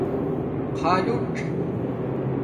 خالݸژ